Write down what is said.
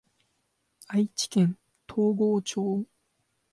愛知県東郷町